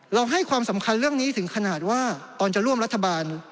ให้ความสำคัญเรื่องนี้ถึงขนาดว่าตอนจะร่วมรัฐบาล